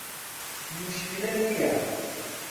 موشکیلە نیە.